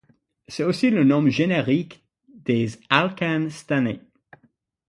C'est aussi le nom générique des alcanes stannés.